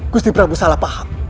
gusti prabu salah paham